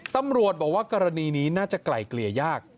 ตำรวจบอกว่ากรณีนี้น่าจะไกลเกลี่ยยาก